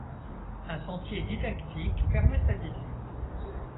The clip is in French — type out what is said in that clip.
Un sentier didactique permet sa visite.